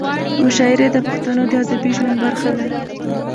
مشاعرې د پښتنو د ادبي ژوند برخه ده.